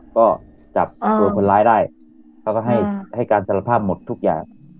ก็จับตัวคนร้ายได้เขาก็ให้การสารภาพหมดทุกอย่าง